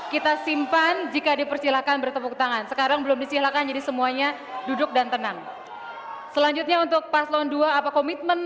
kami bukan bicara soal